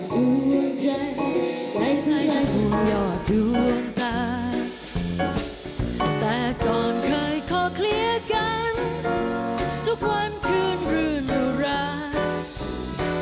โดยการแสดงหลังจากนี้นะคะจะเป็นการแสดงของอาจารย์ภาษาธรรมดินทรัพย์